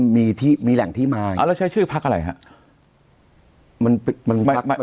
มีแหล่งที่มาแล้วใช้ชื่อพักอะไรครับ